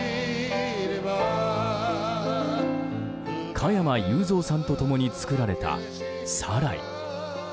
加山雄三さんと共に作られた「サライ」。